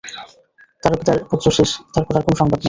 তারকদার পত্র শেষ, তারপর আর কোন সংবাদ নাই।